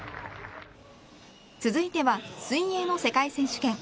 続いては、水泳の世界選手権。